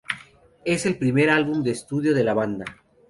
Es el primer álbum de estudio de la banda.